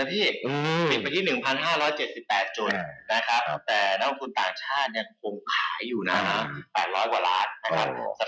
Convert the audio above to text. แต่น้องคุณต่างชาติคงขายอยู่นะ๘๐๐กว่าล้าน